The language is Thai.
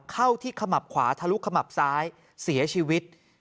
เข้าที่ขมับขวาทะลุขมับซ้ายเสียชีวิต